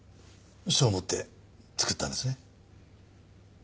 そう思って作ったんですね？